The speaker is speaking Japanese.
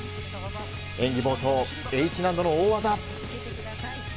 演技冒頭、Ｈ難度の大技。